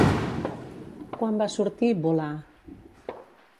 Quan va sortir Volar?